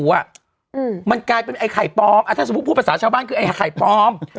มันกลายเป็นไอ้ไข่ปลอมถ้าสมมุติพูดภาษาชาวบ้านคือไอ้ไข่ปลอม